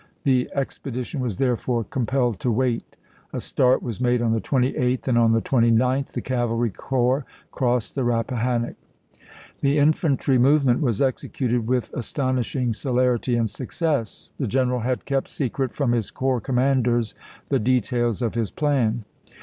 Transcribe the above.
The expedition was there Aprii, 1863. fore compelled to wait. A start was made on the voi. xxv., 28th, and on the 29th the cavalry corps crossed the p. loss'.' Eappahannock. The infantry movement was executed with as tonishing celerity and success. The general had kept secret from his corps commanders the de tails of his plan.